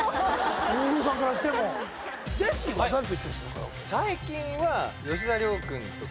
大黒さんからしてもジェシーは誰と行ってんすか？